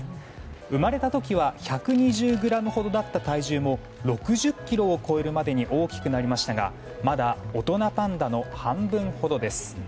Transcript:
生まれた時は１２０ｇほどだった体重も６０ｋｇを超えるまでに大きくなりましたがまだ大人パンダの半分ほどです。